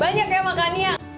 banyak ya makannya